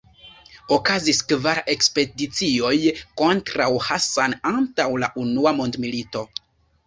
Okazis kvar ekspedicioj kontraŭ Hassan antaŭ la Unua Mondmilito.